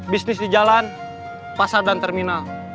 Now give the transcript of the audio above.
bisnis di jalan pasar dan terminal